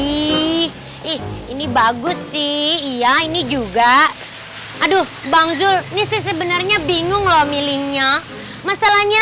ih ih ini bagus sih iya ini juga aduh bangzul nih sebenarnya bingung lo milihnya masalahnya